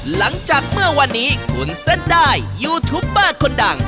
หลังจากเมื่อวันนี้คุณเส้นได้ยูทูปเบอร์คนดัง